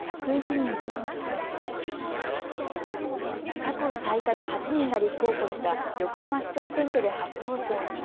過去最多の８人が立候補した横浜市長選挙で初当選した